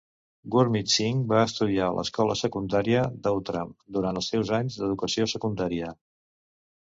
Gurmit Singh va estudiar a l'escola secundaria d'Outram durant els seus anys d'educació secundària.